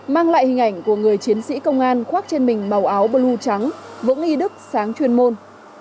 hình ảnh của người chiến sĩ công an khoác trên mình màu áo blue trắng vững y đức sáng chuyên môn